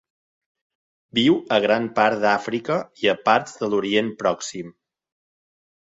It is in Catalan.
Viu a gran part d'Àfrica i a parts de l'Orient Pròxim.